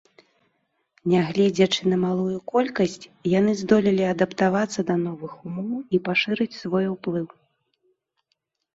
Нягледзячы на малую колькасць, яны здолелі адаптавацца да новых умоў і пашырыць свой уплыў.